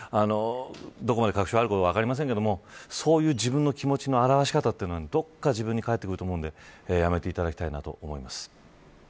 どこまで確証があるか分かりませんがそういう自分の気持ちの表し方ってどこかで自分に返ってくると思うので、やめていただきたいと思います。